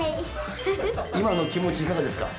今の気持ちいかがですか？